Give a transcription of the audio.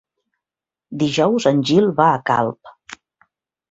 Dijous en Gil va a Calp.